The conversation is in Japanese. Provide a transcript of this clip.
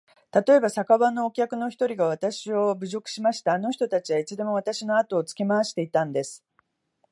たとえば、酒場のお客の一人がわたしを侮辱しました。あの人たちはいつでもわたしのあとをつけ廻していたんです。